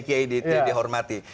kiai tidak dihormati